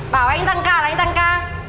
bảo anh tăng ca là anh tăng ca